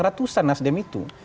ratusan nasdem itu